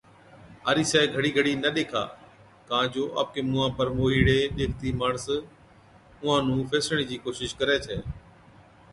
آرِيسَي گھڙِي گھڙِي نہ ڏيکا ڪان جو آپڪي مُونهان پر موهِيڙي ڏيکتِي ماڻس اُونهان نُون ڦيسڻي چِي ڪوشش ڪرَي ڇَي۔